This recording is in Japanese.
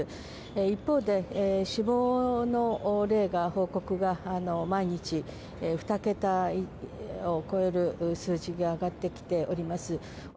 一方で、死亡の例が報告が毎日、２桁を超える数字が上がってきております。